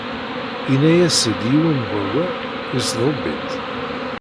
Inna-yas-d yiwen n wawal, isdub-itt.